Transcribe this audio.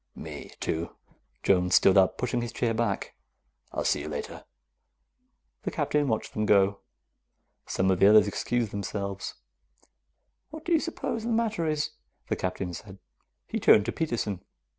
"Me, too." Jones stood up, pushing his chair back. "I'll see you later." The Captain watched them go. Some of the others excused themselves. "What do you suppose the matter is?" the Captain said. He turned to Peterson.